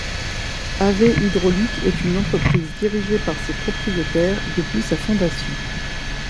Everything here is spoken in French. Hawe Hydraulik est une entreprise dirigée par ses propriétaires depuis sa fondation.